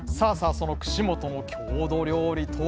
その串本の郷土料理とは？